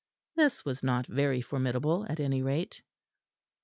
This was not very formidable at any rate.